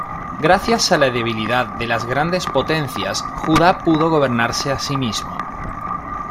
Gracias a la debilidad de las grandes potencias, Judá pudo gobernarse a sí mismo.